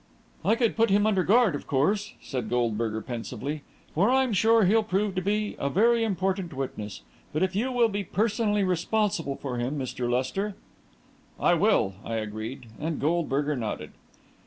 "I could put him under guard, of course," said Goldberger, pensively, "for I'm sure he'll prove to be a very important witness; but if you will be personally responsible for him, Mr. Lester...." "I will," I agreed, and Goldberger nodded.